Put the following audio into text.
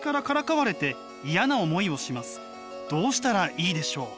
「どうしたらいいでしょう？」。